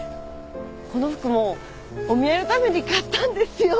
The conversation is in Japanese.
この服もお見合いのために買ったんですよ。